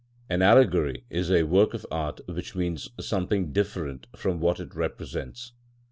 An allegory is a work of art which means something different from what it represents.